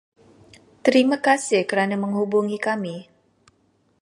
Terima kasih kerana menghubungi kami.